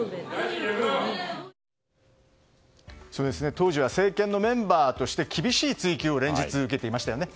当時は政権のメンバーとして厳しい追及を連日、受けていましたよね。